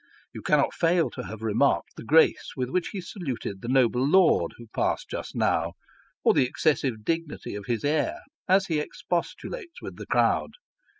You cannot fail to have remarked the grace with which he saluted the noble Lord who passed just now, or the excessive dignity of his air, as he ex postulates with the crowd.